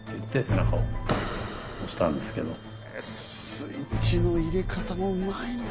スイッチの入れ方もうまいのか。